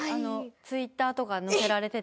Ｔｗｉｔｔｅｒとか載せられてて。